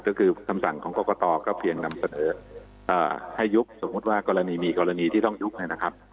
ก็คือคำสั่งของกรกตก็เพียงนำเสนอให้ยุบสมมุติว่ากรณีมีกรณีที่ต้องยุบนะครับ